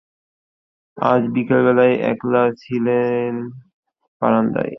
আজ বিকেলবেলায় একলা ছিলেম বারান্দায়।